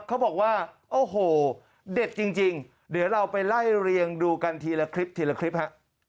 เขาบอกว่าโอ้โหเด็ดจริงเดี๋ยวเราไปไล่เรียงดูกันทีละคลิปทีละคลิปฮะ